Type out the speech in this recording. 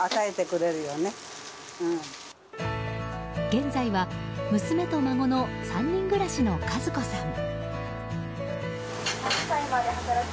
現在は娘と孫の３人暮らしの和子さん。